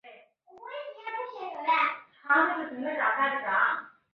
兰州鲇为鲇科鲇属的鱼类。